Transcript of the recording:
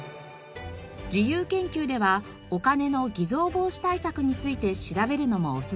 自由研究ではお金の偽造防止対策について調べるのもおすすめです。